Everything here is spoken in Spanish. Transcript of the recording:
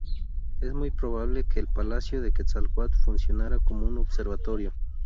Es muy probable que el Palacio de Quetzalcoatl funcionara como un observatorio.